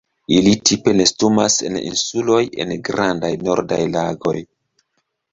Ili tipe nestumas en insuloj en grandaj nordaj lagoj.